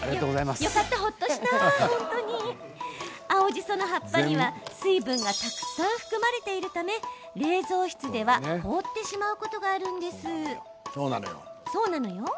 青じその葉っぱには水分がたくさん含まれているため冷蔵室では凍ってしまうことがあるんです。